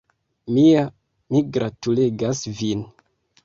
Mia, mi gratulegas vin!